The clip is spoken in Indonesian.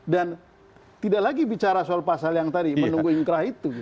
dan tidak lagi bicara soal pasal yang tadi menunggu inkra itu